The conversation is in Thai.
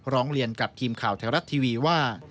ร้องเรียนกับทีมข่าวไทยรัฐทีวีว่า